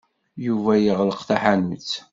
Yuba yeɣleq taḥanut.